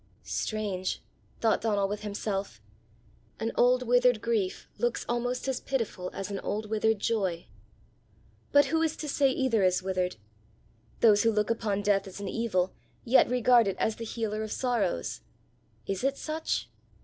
"Strange!" thought Donal with himself; "an old withered grief looks almost as pitiful as an old withered joy! But who is to say either is withered? Those who look upon death as an evil, yet regard it as the healer of sorrows! Is it such?